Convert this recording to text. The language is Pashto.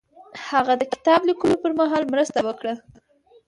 هغه د کتاب لیکلو پر مهال مرسته وکړه.